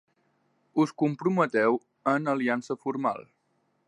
Us comprometeu en aliança formal.